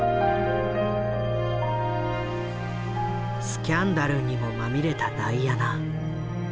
スキャンダルにもまみれたダイアナ。